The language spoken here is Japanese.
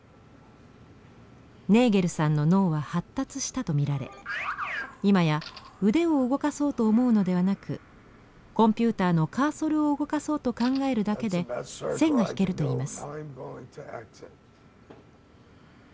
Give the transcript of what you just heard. ネーゲルさんの脳は発達したと見られ今や腕を動かそうと思うのではなくコンピューターのカーソルを動かそうと考えるだけで線が引けるといいます。